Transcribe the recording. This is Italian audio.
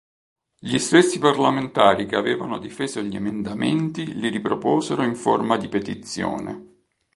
Gli stessi parlamentari che avevano difeso gli emendamenti li riproposero in forma di petizione.